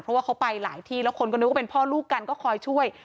เพราะว่าเขาไปหลายที่แล้วคนก็นึกว่าเป็นพ่อลูกกันก็คอยช่วย